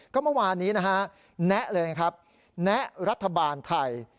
ก็เมื่อวานนี้นะฮะแนะเลยนะครับแนะรัฐบาลไทย